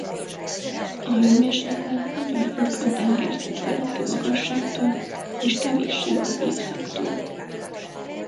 A hőmérséklet nagyon függ a tengerszint feletti magasságtól és kevéssé az évszaktól.